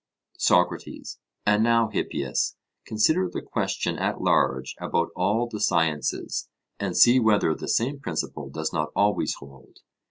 SOCRATES: And now, Hippias, consider the question at large about all the sciences, and see whether the same principle does not always hold.